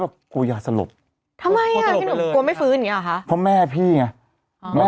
เพราะแม่พี่นะ